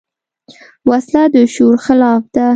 وسله د شعور خلاف ده